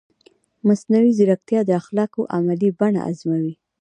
مصنوعي ځیرکتیا د اخلاقو عملي بڼه ازموي.